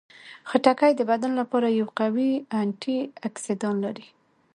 خټکی د بدن لپاره یو قوي انټياکسیدان لري.